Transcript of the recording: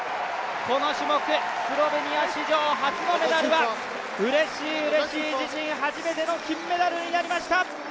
この種目、スロベニア史上初のメダルがうれしいうれしい自身初めての金メダルになりました。